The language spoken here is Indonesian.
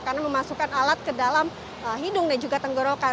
karena memasukkan alat ke dalam hidung dan juga tenggorokan